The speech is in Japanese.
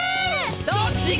どっちが？